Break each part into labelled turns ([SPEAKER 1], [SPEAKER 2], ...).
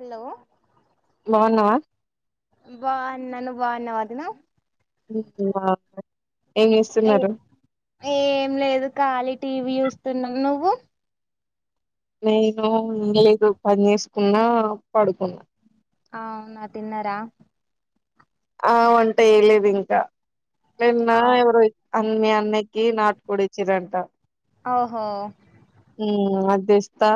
[SPEAKER 1] Hello
[SPEAKER 2] బాగున్నావా
[SPEAKER 1] బాగునా నవ్వు బాగున్నావా వదిన
[SPEAKER 2] [unintelligible]
[SPEAKER 1] ఏ
[SPEAKER 2] చేస్తున్నారు
[SPEAKER 1] ఏం లేదు కాలి టీవీ చూస్తూ నువ్వు
[SPEAKER 2] నేను [unintelligible] లేదు పని చేసుకున్నా పడుకున్నా
[SPEAKER 1] అ అవునా తిన్నారా
[SPEAKER 2] ఆ వంట చేయలేదు ఇంకా ఎన్నా
[SPEAKER 1] అవు
[SPEAKER 2] ఎవరు మీ అన్న కీ నాట్ కుడిచ్చరంట
[SPEAKER 1] ఓహో
[SPEAKER 2] అది తెస్తా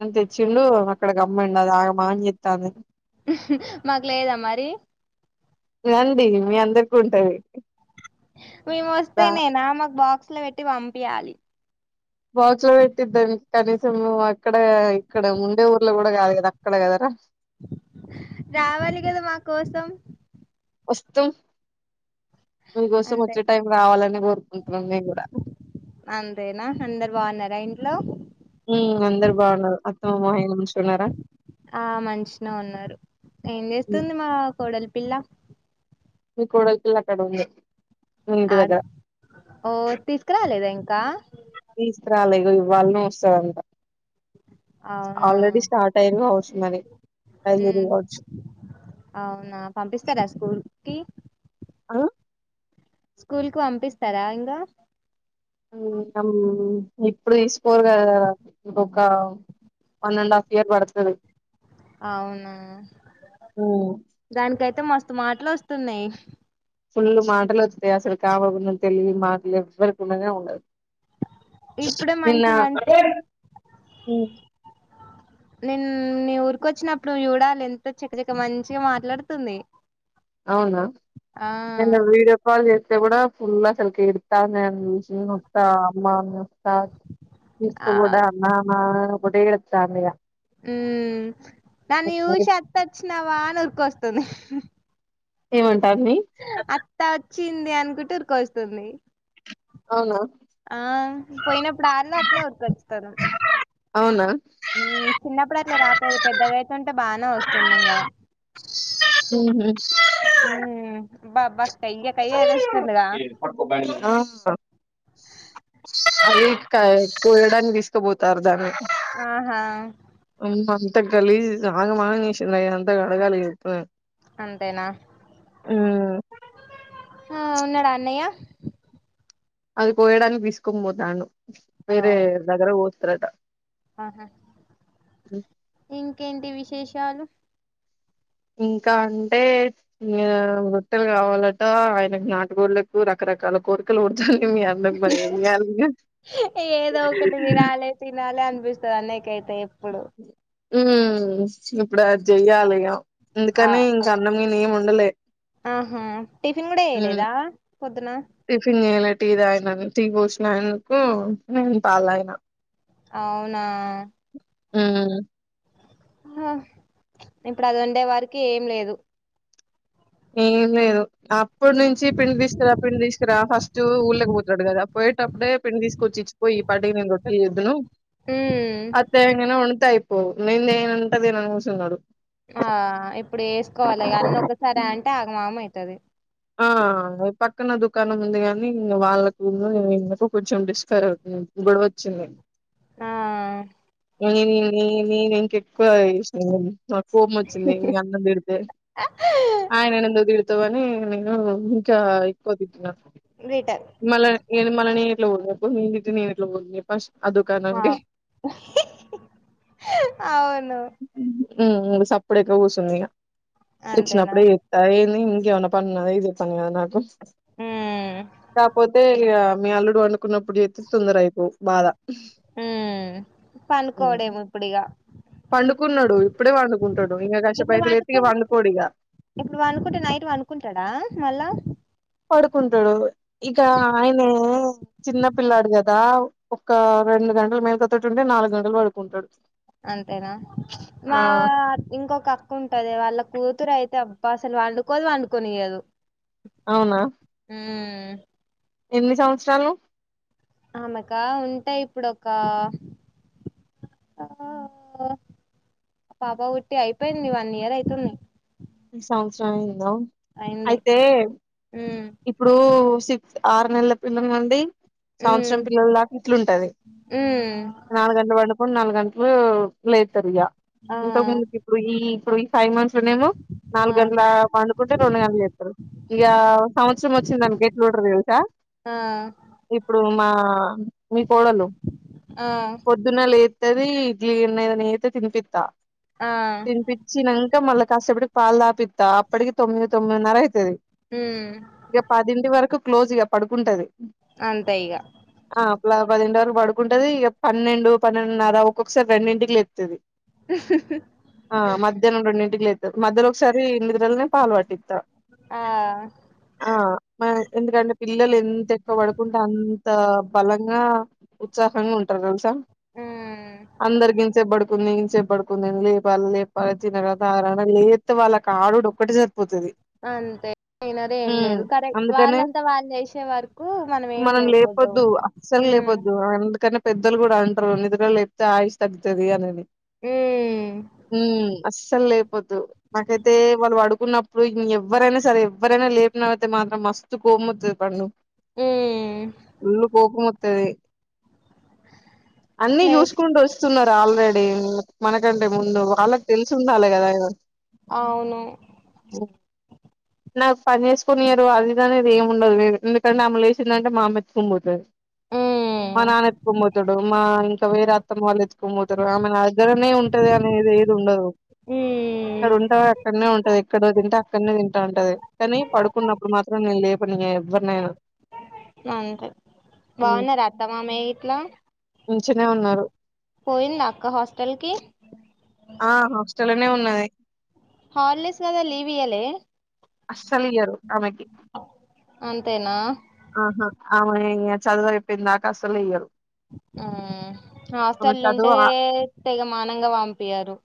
[SPEAKER 2] అని తెచ్చిండు అక్కడ [unintelligible] ఆగం ఆగం చెస్తాంది
[SPEAKER 1] మాకు లేదా మరి
[SPEAKER 2] ఉంది మీ అందరికి ఉంటది
[SPEAKER 1] మెము
[SPEAKER 2] దా
[SPEAKER 1] వస్తెనేనా మాకు బాక్స్ అట్లు పెట్టి పంపియాలి
[SPEAKER 2] బాక్స్ లో పెట్టిద్దాం కనీసం నువ్వు అక్కడ ఇక్కడ ఉండే ఊర్లో కూడా కాదు కదా అక్కడ కదరా
[SPEAKER 1] రావాలి కదా మా కోసం
[SPEAKER 2] వాస్తు మీకోసం
[SPEAKER 1] అంతే
[SPEAKER 2] వచ్చే టైం రావాలని కోరుకుంటున్న మేం కూడా
[SPEAKER 1] అంతేనా అందరు బాగున్నారా ఇంట్లో
[SPEAKER 2] మ్ అందరు బాగుండరు అత్తమ్మ మామయ్య మంచిగున్నారా?
[SPEAKER 1] ఆ మంచినె ఉన్నారు ఏం
[SPEAKER 2] హ్మ్.
[SPEAKER 1] చేస్తుంది మా కోడల్ పిల్ల
[SPEAKER 2] మీ కోడల్ పిల్ల అక్కడ ఉంది మీ ఇంటి
[SPEAKER 1] ఆడ్
[SPEAKER 2] దగ్గర
[SPEAKER 1] ఓ తీసుకురాలేదా ఇం కా
[SPEAKER 2] తీసుకురాలే ఇగో ఇవ్వాళ నే వస్తదంట
[SPEAKER 1] అవునా
[SPEAKER 2] ఆల్రెడీ స్టార్ట్ అయ్యారు కావచ్చు మరి బయలుదేరి
[SPEAKER 1] మ్
[SPEAKER 2] కావచ్చు.
[SPEAKER 1] అవునా పంపిస్తారా స్కూల్ కి
[SPEAKER 2] అ
[SPEAKER 1] స్కూల్ కు పంపిస్తారా ఇంగా
[SPEAKER 2] హ్మ్. అమ్ ఇప్పుడు తీస్కోర్ కదా ఇంకొక వన్ అండ్ హాఫ్ ఇయర్ పడుతది
[SPEAKER 1] అవునా
[SPEAKER 2] హ్మ్
[SPEAKER 1] దానికయితే మ స్త్ మాటలు వస్తున్నాయి
[SPEAKER 2] ఫుల్ మాటలు వస్తాయి అసలు కు ఆమెకు ఉన్న తెలివి మాటలు ఎవ్వరికీ ఉండనె ఉండదు
[SPEAKER 1] ఇప్పుడే మంచి
[SPEAKER 2] నిన్న
[SPEAKER 1] మంచి
[SPEAKER 2] మ్
[SPEAKER 1] నిన్ నీ ఊరికి వచ్చినప్పుడు చూడాలి ఎంత చక్కచక్క మంచిగా మాట్లాడుతుంది.
[SPEAKER 2] అవునా
[SPEAKER 1] ఆ
[SPEAKER 2] నిన్న వీడియో కాల్ చెస్ స్తే కూడా ఫుల్ ఆసలుకి ఏడతాంది నన్ను చూసి నేను ఓత్త అమ్మా నేను త్త
[SPEAKER 1] ఆ
[SPEAKER 2] తీసుకోబో డా అమ్మ మా ఒకటే ఏడుచంది ఇగా
[SPEAKER 1] ఉహ్మ్ నన్నీ చూసి అత్తొచ్చినవా అనీ ఊర్ కోస్తుంది
[SPEAKER 2] ఏమం తన్ని
[SPEAKER 1] వచ్చింది అనుకుంటు ఊరికోస్తుంది
[SPEAKER 2] అవునా
[SPEAKER 1] ఆ పోయినప్పుడు ఆళ్ళ అట్నే ఊరికి వస్తారు
[SPEAKER 2] అవునా
[SPEAKER 1] చిన్నప్పుడు అట్లా రాపోయేది పెద్దగా అయితంటే బానే వస్తుంది ఇంకా
[SPEAKER 2] ఊహు
[SPEAKER 1] ఉహ్ బాబా
[SPEAKER 2] ఆ అది కాయ కోయడానికి తీసుకబోతారు దాన్ని
[SPEAKER 1] ఆహా
[SPEAKER 2] అంత గలీజ్ ఆగంమాగం జేసిందయ్య అంతా కడగాలి ఈగ ఇప్పుడూ
[SPEAKER 1] అంతేనా హు ఉన్నాడా అన్నయ్య
[SPEAKER 2] అది కోయడానికి తీసుకొనీ పోతండు వేరే
[SPEAKER 1] అవు
[SPEAKER 2] దగ్గర కో స్తారట
[SPEAKER 1] ఆహా ఇంకేంటి విష విశేషాలూ
[SPEAKER 2] ఇంకా అంటే ఇగ బట్టలు కావాలట ఆయనకు నాటుగోళ్లకు రకరకాల కోరికలు కొరతాళ్ళు మీ అన్నకి బలే ఇయ్యాలిగా
[SPEAKER 1] విస్తా అన్నయ్యకయితే రే పుడు
[SPEAKER 2] ఉహ్మ్ ఇప్పుడు అది చెయ్యాలిగా
[SPEAKER 1] ఆ
[SPEAKER 2] అందుకని ఇంక అన్నం ఏం వండలే
[SPEAKER 1] ఆహా టిఫిన్ కూడా
[SPEAKER 2] హ్మ్
[SPEAKER 1] వేయలేదా
[SPEAKER 2] టిఫిన్ చేయలే టీ తాగిన టీ కోసిన ఆయనకు నేను పాలయన
[SPEAKER 1] అవునా
[SPEAKER 2] ఆ
[SPEAKER 1] ఆ ఇప్పుడు అది వండే వారికి ఏం లేదు
[SPEAKER 2] ఎం లేదు ఆ ఇప్పుడు నుంచి పిండి తీసుకుారా పిడి తీసు ఇరా ఫస్ట్ ఊళ్ళకి పోతున్నాడు కదా పోయేటప్పుడే పిండి తీసుకొచ్చి ఇచ్చిపోయి పాటికిేను రొట్టలు చేద్దును
[SPEAKER 1] ఉమ్,
[SPEAKER 2] అత్తయ్య నేను వండితే అయిపోయే ఓ మేందేనంటా నేని అనుగుతున్నాడు
[SPEAKER 1] ఆ ఇప్పుడు వేసుకోవాలి అన్నీ ఒకసారి అంటే ఆగం ఆగమా అయతుది
[SPEAKER 2] ఆ పక్కన దుకాణం ఉంది కానీ ఇం వాళ్ళకుందు ఇకు కొంచెం డిస్క గుడ వచ్చింది
[SPEAKER 1] ఆ
[SPEAKER 2] వరి మీర ఎక్కువ ఇష్ట నాకు ఫోమ్ వచ్చింది మీ అన్నం తిడితే ఆయననందు తితే అని నేను ఇంకా ఎక్కువ ద
[SPEAKER 1] రిటర్న్
[SPEAKER 2] మళ నేను మనని ఇట్లా వదుప్పుడు మీీ జిట్ నేను ఇట్ల వ ఫస్ట్ అదకా
[SPEAKER 1] ఆ
[SPEAKER 2] నండి
[SPEAKER 1] అవును ఉన్న
[SPEAKER 2] ఉ సప్పుడక ఊసుుందిగా
[SPEAKER 1] అంతేనా
[SPEAKER 2] తెచ్చినప్పుడే చేస్తా ఈవినింగ్ వ పద ఇది పను అద నాకు
[SPEAKER 1] ఉమ్
[SPEAKER 2] కాకపోతే మే అల్లుడు వండుకున్నప్పుడు చేతే తొందర అయిపో బా
[SPEAKER 1] ఉ పనుకోడేము ఇప్పుడిగా
[SPEAKER 2] పండుకున్నాడు ఇప్పుడే వండుకుంటాడు ఇంకా కస్
[SPEAKER 1] ఇప్పుడు
[SPEAKER 2] సెపయితే
[SPEAKER 1] పనుకు
[SPEAKER 2] ఎత్కి పండుకోడిక
[SPEAKER 1] ఇప్పుడు పనుకుంటే నైట్ పనుకుంటాడా మళ్ళా
[SPEAKER 2] పడుకుంటాడు ఇక ఆయనే చిన్న పిల్లాడు కదా ఒక రెండు గంటల మేలుకతోటి ఉంటే నాలుగు గంటలు పడుకుంటాడు
[SPEAKER 1] అంతేనా మా
[SPEAKER 2] ఆ
[SPEAKER 1] ఇంకొక అక్క ఉంటది వాళ్ళ కూతురు అయితే అబ్బా అసలు వండుకోదు వండుకనియదు
[SPEAKER 2] అవునా
[SPEAKER 1] ఆ [inaudible]
[SPEAKER 2] ఎన్ని సంవత్సరాలు
[SPEAKER 1] అమెకా ఉంటాయి ఇప్పుడోకా పాప కుుట్టి అయిపోయింది వన్ ఇయర్ అయితుంది
[SPEAKER 2] సంవత్సరమైంది హలో
[SPEAKER 1] అయింది
[SPEAKER 2] అయితే
[SPEAKER 1] హ్మ్
[SPEAKER 2] ఇప్పుడు సిక్స్ ఆరు నెలల పిల్లని అండి సంవత్సరం
[SPEAKER 1] హ్మ్
[SPEAKER 2] పిల్లల దాకా ఇట్లుంటది.
[SPEAKER 1] హ్మ్
[SPEAKER 2] నాలుగు గంటల పడు మూడు నాలుగు గంటలు లేతారు ఇగ
[SPEAKER 1] ఆ
[SPEAKER 2] ఇంతకు ముందు ఇపుడు ఈ స ఫైవ్ మంత్స్ లోనే ఏమో
[SPEAKER 1] ఆ
[SPEAKER 2] నాలుగు గంటల పండుకుంటే రెండు గంటలుకి లేతారు ఇక సంవత్సరం వచ్చింది అనుకో గే ఎట్లుంటారో తెలుస
[SPEAKER 1] ఆ
[SPEAKER 2] ఇప్పుడు మా మీ కోడలు
[SPEAKER 1] ఆ
[SPEAKER 2] పొద్దున లే ఇది ఇడ్లీ ఎన్నయిద న అయితే తిని పిత్త
[SPEAKER 1] ఆ
[SPEAKER 2] తినిపచ్చినానంక మళ్ళీ కష్టపడు పాల్ద పిత్త అప్పటికి తొమ్మిది తొమ్మిదిన్నర అయితది
[SPEAKER 1] హ
[SPEAKER 2] ఇక పదింటి వరకు క్లోజ్గా పడుకుంటది.
[SPEAKER 1] అంతెయిగా
[SPEAKER 2] ఇలా పదింటి వరకు పడుకుంటది. ఇక పన్నెండు పన్నెండున్నర ఒక్కొక్కసారి రెండింటికి లేతది. ఆ మధ్యాహ్నం రెండుంటికి లేతది మధ్యాహ్నం ఒకసారి ఇ వెలనే పాల పట్టిత
[SPEAKER 1] ఆ
[SPEAKER 2] ఆ మ ఎం పిల్లలు ఎంత ఎక్కువ పడుకుంటే అంత బలంగా ఉత్సాహంగా ఉంటారు తెలుసా
[SPEAKER 1] హ్మ్
[SPEAKER 2] అందరగిన్స బడు కు ఇం చె పడుకుందిని లేప లేపి తిన కదా ఆ లేతే వాళ్ళ ఆడడు ఒక్కటి సరిపోతుది.
[SPEAKER 1] అంతే అయినరే ఏం లేదు కరెక్ట్
[SPEAKER 2] అందుకనే
[SPEAKER 1] వాళ్ళంతా వాళ్ళు చేసే వరకు మనం ఏం లేపోదుం
[SPEAKER 2] లేపొద్దు అస్సలు
[SPEAKER 1] హు
[SPEAKER 2] లేపొద్దు అందుకనే పెద్దలు కూడా అంటారు నిద్రలు లేప్తే ఆయుష్ తగ్తుది అనేది
[SPEAKER 1] మ్మ్
[SPEAKER 2] ఉ అస అసలు లేపోద్దు. నాకైతే వాళ్ళు ప డుకున్నప్పుడు ఎవరైనా సరే ఎవ్వరైనా లే ఇలా ఐతె మాత్రం మస్తు కోపము వత్తది పండు.
[SPEAKER 1] ఊ
[SPEAKER 2] తా అన్ని
[SPEAKER 1] లే
[SPEAKER 2] చూసుకుంటూ వస్తున్నారు ఆల్రెడీ మ ఎందుకంటే ముందు వాళ్ళకి తెలిసి ఉండాలి గదా ఇగ
[SPEAKER 1] అవును
[SPEAKER 2] పో నాకు పనిచేస్ కొనీయరు అది ఇది అనేది ఏమి ఉండదు ఎందుకంటే ఆమె లేసిందంటే మా అమ్మ ఎత్తుకుని పోతాది. మా
[SPEAKER 1] మ్మ్
[SPEAKER 2] నాన్న ఎత్తుకొని పోతాడు. మా ఇంకా వేరే అత్తమ్మ వాళ్ళు ఎత్తుకొని పోతారు. ఆమె నా దగ్గరనే ఉంటది అనేది ఏది ఉండదు. ఎక్కడ ఉంటే అక్కడనే ఉంటది. ఎక్కడ తింటే అక్కడనే తింటా ఉంటది. కానీ ఉన్నప్పుడు మాత్రం నీను లేపను ఇగ ఎవ్వరినైనా
[SPEAKER 1] అంతే బావున్నారా అత్త మామయ్య గిట్ల
[SPEAKER 2] నుంచనే ఉన్నారు
[SPEAKER 1] పోయిందా అక్క హాస్టల్ కి
[SPEAKER 2] ఆ హాస్టల్నే ఉన్నది.
[SPEAKER 1] హాలిడేస్ కదా లీవ్ ఇయ్యలే
[SPEAKER 2] అస్సలు ఇయ్యరు అమెకి
[SPEAKER 1] అంతేనా
[SPEAKER 2] ఆహా ఆమె చదువు అయిపోయిందాక అసలు ఇయ్యరు
[SPEAKER 1] ఆ
[SPEAKER 2] ఆమె
[SPEAKER 1] హాస్టల్లు
[SPEAKER 2] చదువు
[SPEAKER 1] ఉంటే
[SPEAKER 2] ఆ
[SPEAKER 1] తెగ మానంగా పంపీయరు.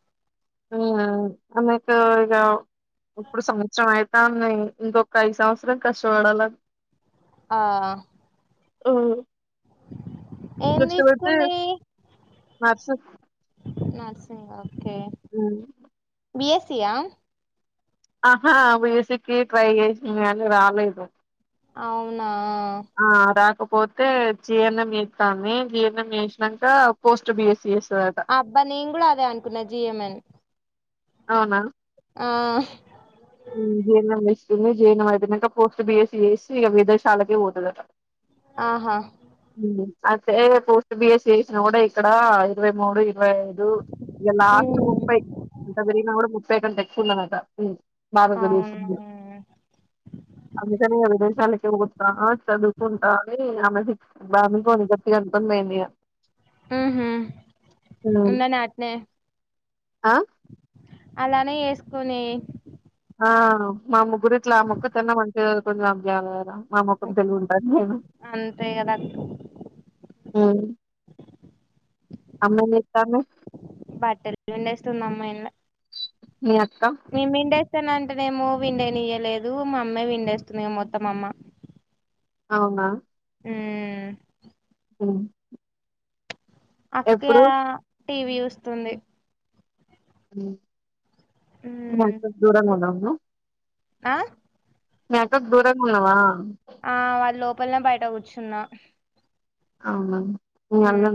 [SPEAKER 2] హ్మ్ అమెకు ఇగ ఇప్పుడు సంవత్సరం అయితాంది. ఇంకొక ఐదు సంవత్సరం కష్టపడాల
[SPEAKER 1] ఆ
[SPEAKER 2] హ్మ్
[SPEAKER 1] ఏం
[SPEAKER 2] కష్టపడితే
[SPEAKER 1] తీసుకుంది
[SPEAKER 2] మ్యాథ్స్
[SPEAKER 1] సేవా
[SPEAKER 2] హ్మ్
[SPEAKER 1] బి ఎస్సీ యా
[SPEAKER 2] ఆహా బిసీకి ట్రై చేసింది గాని రాలేదు
[SPEAKER 1] అవునా
[SPEAKER 2] ఇగ పోతే జి ఎన్ ఎం చేస్తాంది. జిఎన్ఎం చేసినంక పోస్ట్ బి ఎస్సి చేస్
[SPEAKER 1] అబ్బా నేను కూడా అదే అనుకున్నా జి ఎం ఎన్
[SPEAKER 2] అవునా
[SPEAKER 1] ఆ
[SPEAKER 2] జి ఎన్ ఎం చేస్తుంది. జిఎన్ఎం అయితున్నాక పోస్ట్ బిఎస్సి చేసి ఇక విదేశాలకే పోతదట.
[SPEAKER 1] ఆహా
[SPEAKER 2] ఉమ్, అయితే పోస్ట్ బి ఎస్సీ చేసిన కూడా ఇక్కడ ఇరవై మూడు ఇరవై ఐదు ఇగ లాస్ట్ ముప్పై
[SPEAKER 1] ఉమ్,
[SPEAKER 2] అంత పెరిగిన కూడా ముప్ తేకుంటే ఎక్కువున్నదట హ్మ్
[SPEAKER 1] అవును
[SPEAKER 2] భారతదేశం అందుకనే వేరే దేశాలకి చదువుకుంటా ఆ చదువుకుంటా అని ఆమె ఫిక్స్ బామె తోని గట్టి గా అంటందేంది.
[SPEAKER 1] ఊహూ ఉన్నానే ఆట్నే
[SPEAKER 2] ఆ
[SPEAKER 1] అలానే ఏసుకుని
[SPEAKER 2] ఆ మా ముగ్గురిట్ల ఆ ముక్క తనే మంచిగా చదువుకొని జాబ్ చేయలి కదా. మా ముఖం తెలిగు ఉంటాను నేను
[SPEAKER 1] అంతే కదా
[SPEAKER 2] అమ్మా ఇస్తాను
[SPEAKER 1] దవిస్తంది అమ్మాయిల
[SPEAKER 2] మియక్క
[SPEAKER 1] స్థానంటేనేమో విండనివయలేదు మామ్మే విండేస్తుంది మొత్తం అమ్మ
[SPEAKER 2] అవునా
[SPEAKER 1] ఉమ్
[SPEAKER 2] ఉమ్
[SPEAKER 1] అక్య
[SPEAKER 2] ఎప్పుడు
[SPEAKER 1] టీవీ చుస్తుంది
[SPEAKER 2] ఉ మ దూరం ఉన్నా ఆ
[SPEAKER 1] అ
[SPEAKER 2] మ్యాకక్ దూరంగున్నవా
[SPEAKER 1] ఆ వాళ్ళ లోపలనబయట కూర్చున్న
[SPEAKER 2] అవున అ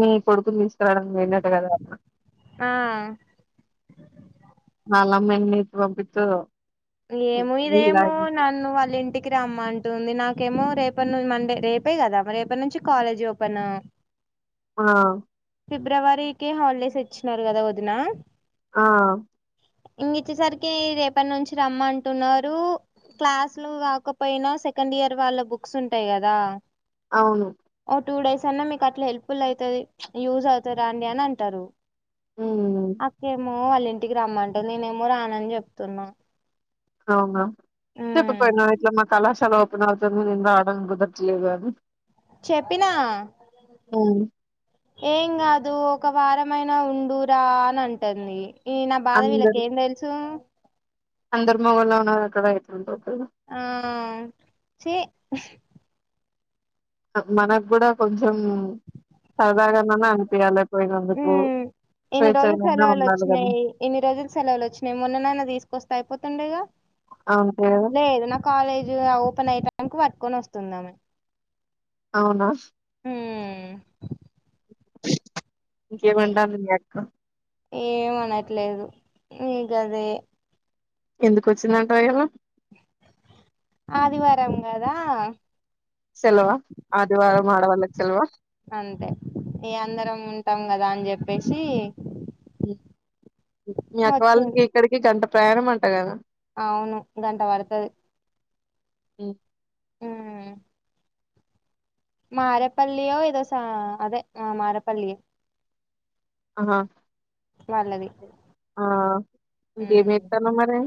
[SPEAKER 2] మీ పడుతుందిస్ మన్నట కథ
[SPEAKER 1] ఆ
[SPEAKER 2] అల్లమ్మ అన్నింటికి పంపితదో
[SPEAKER 1] ఏమో ఇదేమో నన్ను వాళ్ళ ఇంటికి రామంటుంది నాకేమో రేప మండే రేపే కదా రేప నుంచి కాలేజ్ ఓపెన్ ఉ
[SPEAKER 2] ఆ
[SPEAKER 1] ఫిబ్రవరికి హాలిడేస్ ఇచ్చినారు కదా వదిన
[SPEAKER 2] ఆ
[SPEAKER 1] ఇంగిచ్చేసరికి రేపటి నుంచి రమ్మంటున్నారు క్లాస్లు కాకపోయినా సెకండియర్ వాళ్ళ బుక్స్ ఉంటాయి కదా
[SPEAKER 2] అవును
[SPEAKER 1] ఓ టూ డేస్ అన్నా మీకు అట్లా హెల్ప్ఫుల్ అయితది యూజ్ అయితది రండి అని అంటరు
[SPEAKER 2] హ్మ్
[SPEAKER 1] అక్కేమో వాళ్ళ ఇంటికి రమ్మంటరూ నేనేమో రానని చెప్తున్నా
[SPEAKER 2] అవున చెప్పపోయినా ఇట్లా మా కళాశాల ఎప్పంది నింద ఆడాడం కుదర్ట్లేదని
[SPEAKER 1] చెప్పినా
[SPEAKER 2] హ్మ్
[SPEAKER 1] ఏంగాదు ఒక్క వారమయినా ఉడుూరా అని అంటుంది ఈ నా బాధ విల్లకేం తెలుసు
[SPEAKER 2] అందర్మగంలో ఉన్నక్కడ అయితు ఉంటు
[SPEAKER 1] ఆ చి [unintelligible]
[SPEAKER 2] మనకు కూడా కొంచెము సరదాగనన్న అనిపియాలి
[SPEAKER 1] ఉ
[SPEAKER 2] పోయినందుకు
[SPEAKER 1] ఇన్ని రోజులు
[SPEAKER 2] స్వేచ్ఛగానే
[SPEAKER 1] సెలవులు
[SPEAKER 2] ఉండాలి కదా
[SPEAKER 1] వచ్చినాయి ఇన్ని ఉ ఉ యిన్ని రోజులు సెలవులు వచ్చినాయి యిన్ని రోజులు సెలవులు వచ్చినాయి మొన్ననైనా తీసుకొస్తా అయిపోతుండేగా
[SPEAKER 2] అంతే కదా
[SPEAKER 1] లేదు నా కాలేజీ ఆ ఓపెన్ అయి మంకు వట్టుకొని వస్తుంది ఆమె
[SPEAKER 2] అవునా
[SPEAKER 1] ఊ
[SPEAKER 2] ఇంకేమంటంది మీ అక్క
[SPEAKER 1] ఏమనట్లేదు ఇ గదే
[SPEAKER 2] ఎందుకొచ్చిందంట ఇయాల
[SPEAKER 1] ఆదివారం కదా ఆ
[SPEAKER 2] సెలవా ఆదివారం
[SPEAKER 1] సర్లే
[SPEAKER 2] ఆడవాళ్ళకి సెలవా
[SPEAKER 1] అంతే ఈ అందరం ఉంటాం కదా అని చెప్ బెశీ
[SPEAKER 2] మీ అక్కవాళ్ళు
[SPEAKER 1] వచ్చింది
[SPEAKER 2] ఇంకా ఇక్కడికి జంట ప్రయాణమంట కదా
[SPEAKER 1] అవును గంట వడుతది
[SPEAKER 2] ఉ
[SPEAKER 1] ఊ మారపల్లి ఓ ఏదో సా అదే ఆ మారపల్లియే
[SPEAKER 2] హా
[SPEAKER 1] వాళ్ళది
[SPEAKER 2] ఆ ఇంకేం
[SPEAKER 1] ఉహు
[SPEAKER 2] చేత్తన్నావ్ మరి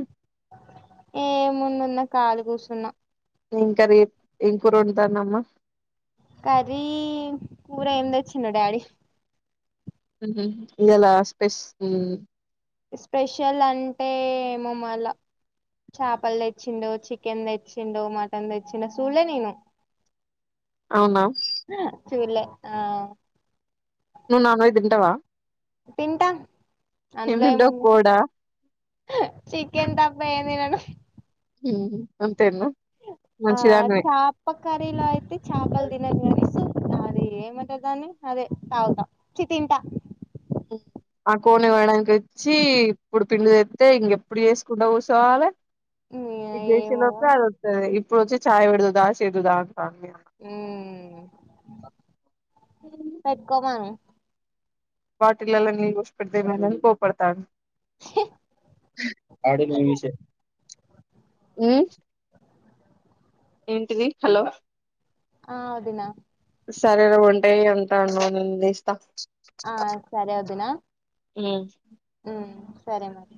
[SPEAKER 1] యే ముందున్న కాలి కూసున్న
[SPEAKER 2] ఎం కర్రీ ఎం కురోండుతందమ్మా.
[SPEAKER 1] కర్రీ కూర ఎం తెచ్చిండు డాడీ
[SPEAKER 2] హుమ్ ఇయ్యాల స్పెస్ హ్ం
[SPEAKER 1] స్పెషల్ అంటే ఏమో మల్ల చాపలు తెచ్చిండో చికెన్ తెచ్చిండో మటన్ తెచ్చిండో సులే నేను
[SPEAKER 2] అవునా
[SPEAKER 1] సులే ఆ
[SPEAKER 2] నువు నాన్వెజ్ తింటవా
[SPEAKER 1] తింటా
[SPEAKER 2] ఏం
[SPEAKER 1] అందులో
[SPEAKER 2] తింటావు
[SPEAKER 1] ఏముంది
[SPEAKER 2] కోడా
[SPEAKER 1] హా చికెన్ తప్ప ఎం తినను
[SPEAKER 2] హుమ్ అంత్ తిన్ను మంచిదానీవే
[SPEAKER 1] కరీలో అయితే చాపల్ దినను నిసు అది ఏమంటరు దాన్ని అదే తాగుతా చి తింటా
[SPEAKER 2] హుమ్ ఆ కోని కోయడానికి ఇచ్చి ఇప్పుడు పిండి తేత్తే ఇంకెప్పుడు చేసుకుంట కూసోవాలె ఇది
[SPEAKER 1] ఏమోగా
[SPEAKER 2] జేసేలోపే అదత్తది ఇప్ ఇప్పుడు వొచ్చి చాయ వెడుదువు దా సెద్దువు దా
[SPEAKER 1] ఊ పెట్కోమను.
[SPEAKER 2] బాటిలల్లా నీళ్లు పోసి పెడితే ఎమైదని కోపడతాడు. ఆడు మివిషే ఏంటిని హలోలో
[SPEAKER 1] ఆ అదిన
[SPEAKER 2] సరేరా ఉంటాయి ఉంటానుంది ఇస్తా
[SPEAKER 1] ఆ సర అదిన
[SPEAKER 2] అ
[SPEAKER 1] సరే మరి